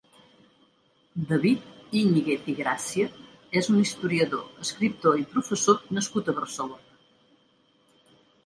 David Íñiguez i Gràcia és un historiador, escriptor i professor nascut a Barcelona.